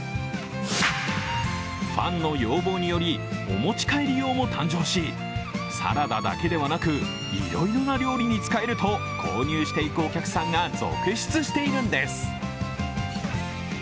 ファンの要望により、お持ち帰り用も誕生しサラダだけではなく、いろいろな料理に使えると購入していくお客さんが続出しているんです。